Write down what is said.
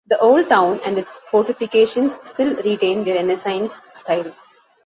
The old town and its fortifications still retain their Renaissance style.